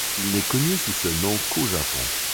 Il n'est connu sous ce nom qu'au Japon.